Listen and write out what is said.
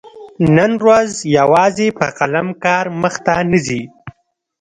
نن ورځ يوازي په قلم کار مخته نه ځي.